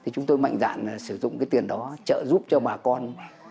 chúng tôi mạnh dạn sử dụng cái tiền đó trợ giúp cho bà con